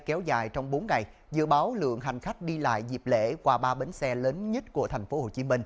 kéo dài trong bốn ngày dự báo lượng hành khách đi lại dịp lễ qua ba bến xe lớn nhất của tp hcm